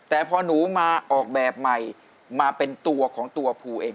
แต่พอหนูมาออกแบบใหม่มาเป็นตัวของตัวภูเอง